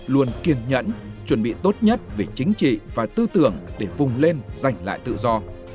luôn kiên nhẫn chuẩn bị tốt nhất về chính trị và tư tưởng để vùng lên giành lại tự do